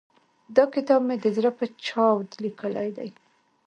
دا کتاب مې د زړه په چاود ليکلی دی.